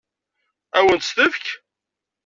Ad wen-tt-tefk?